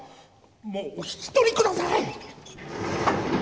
もうお引き取り下さい！